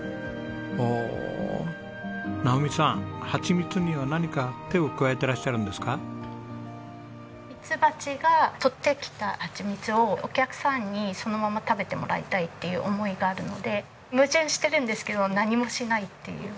ミツバチがとってきたハチミツをお客さんにそのまま食べてもらいたいっていう思いがあるので矛盾してるんですけど何もしないっていう。